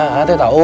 a aku pergi dulu